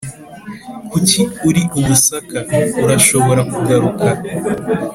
kuki uri umusaka, urashobora kugaruka.